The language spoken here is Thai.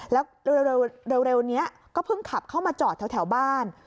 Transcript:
แล้วเร็วนี้ก็เพิ่งขับเข้ามาจอดแถวบ้าน